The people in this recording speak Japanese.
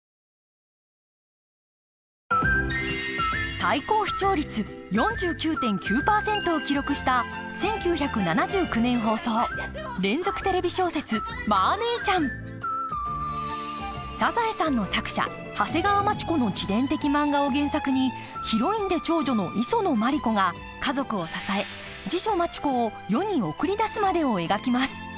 最高視聴率４９．９％を記録した「サザエさん」の作者長谷川町子の自伝的漫画を原作にヒロインで長女の磯野マリ子が家族を支え次女マチ子を世に送り出すまでを描きます